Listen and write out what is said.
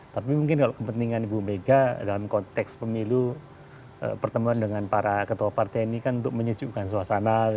tapi mungkin kalau kepentingan ibu mega dalam konteks pemilu pertemuan dengan para ketua partai ini kan untuk menyejukkan suasana